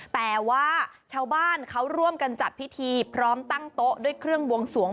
แต่ว่าชาวบ้านเขาร่วมกันจัดพิธีพร้อมตั้งโต๊ะด้วยเครื่องบวงสวง